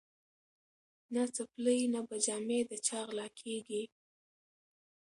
نه څپلۍ نه به جامې د چا غلاکیږي